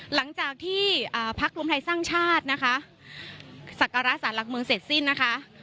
หลังจากที่พักรวมไทยสร้างชาตินะคะสักการะสารหลักเมืองเสร็จสิ้นนะคะ